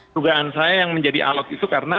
tugaan saya yang menjadi alok itu karena